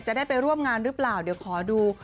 จะได้ไปร่วมงานหรือเปล่าเดี๋ยวขอดู